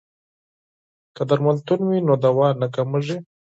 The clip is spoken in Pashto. که درملتون وي نو دوا نه کمیږي.